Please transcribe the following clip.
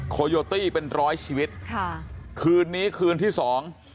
โคโยตี้เป็นร้อยชีวิตค่ะคืนนี้คืนที่สอง